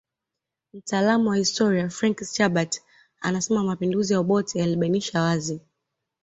Mtaalamu wa historia Frank Schubert anasema mapinduzi ya Obote yalibainisha wazi